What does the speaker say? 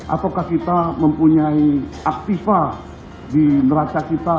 apakah kita mempunyai aktifa di neraca kita